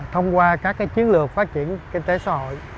thông qua các chiến lược phát triển kinh tế xã hội